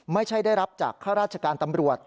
ไม่ได้ได้รับจากข้าราชการตำรวจ